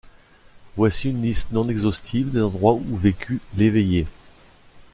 Voici une liste non-exhaustive des endroits où vécut l'Éveillé.